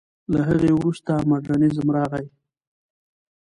له هغې وروسته مډرنېزم راغی.